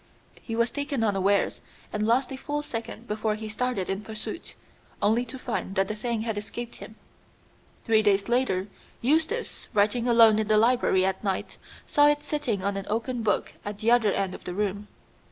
He was taken unawares, and lost a full second before he started in pursuit, only to find that the thing had escaped him. Three days later, Eustace, writing alone in the library at night, saw it sitting on an open book at the other end of the room.